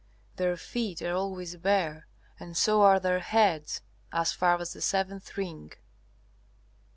Their feet are always bare, and so are their heads as far as the seventh ring.